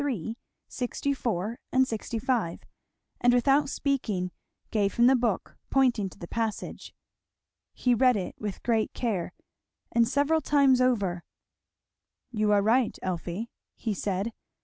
63, 64, 65, and without speaking gave him the book, pointing to the passage. He read it with great care, and several times over. "You are right, Elfie," he said.